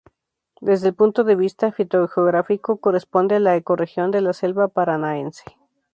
Desde el punto de vista fitogeográfico corresponde a la ecorregión de la selva paranaense.